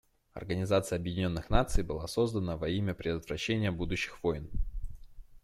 Организация Объединенных Наций была создана во имя предотвращения будущих войн.